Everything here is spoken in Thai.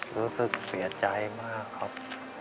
รู้สึกเสียใจมากครับ